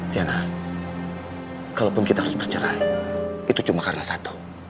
tiana kalaupun kita harus bercerai itu cuma karena satu